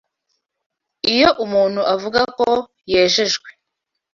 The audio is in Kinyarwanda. Iyo umuntu avuga ko yejejwe